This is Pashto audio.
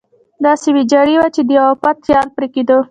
داسې ویجاړې وې چې د یوه افت خیال پرې کېده.